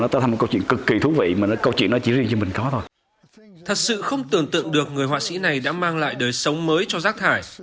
thật sự không tưởng tượng được người họa sĩ này đã mang lại đời sống mới cho rác thải